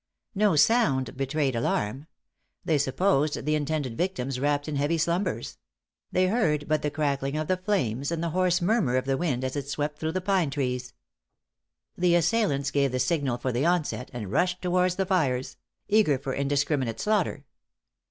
No sound betrayed alarm; they supposed the intended victims wrapped in heavy slumbers; they heard but the crackling of the flames, and the hoarse murmur of the wind as it swept through the pine trees. The assailants gave the signal for the onset, and rushed towards the fires eager for indiscriminate slaughter.